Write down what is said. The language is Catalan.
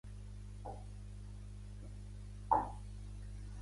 El seu de-ena-i no el sé, us fa falta?